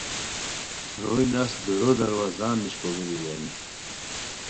روئے نست دُورو دروازان نیشپیڑیرو بیرانی